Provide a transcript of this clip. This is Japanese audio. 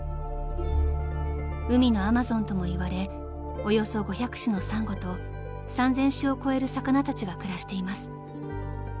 ［海のアマゾンともいわれおよそ５００種のサンゴと３，０００種を超える魚たちが暮らしています］